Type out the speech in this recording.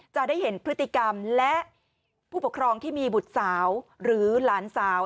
จะได้เห็นพฤติกรรมและผู้ปกครองที่มีบุตรสาวหรือหลานสาว